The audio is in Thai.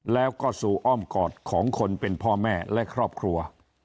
แล้วก็สู่อ้อมกอดของคนเป็นพ่อแม่และครอบครัว